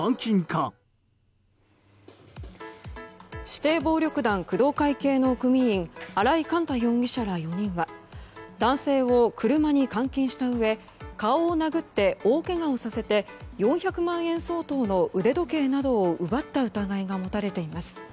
指定暴力団工藤会系の組員荒井幹太容疑者ら４人は男性を車に監禁したうえ顔を殴って大けがをさせて４００万円相当の腕時計などを奪った疑いが持たれています。